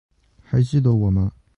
还记得我吗？